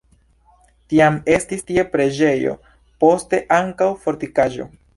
Tiam estis tie preĝejo, poste ankaŭ fortikaĵo.